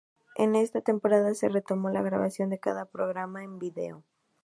En esta temporada se retomó la grabación de cada programa en vídeo.